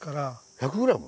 １００ｇ？